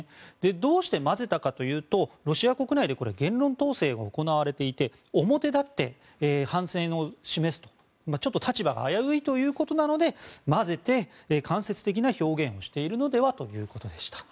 どうして混ぜたかというとロシア国内で言論統制が行われていて表立って反戦を示すと立場が危ういということなので混ぜて、間接的な表現をしているのではということでした。